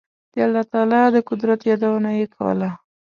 د الله تعالی د قدرت یادونه یې کوله.